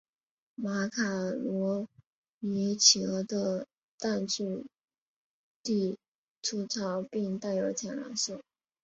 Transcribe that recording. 马卡罗尼企鹅的蛋质地粗糙并带有浅蓝色。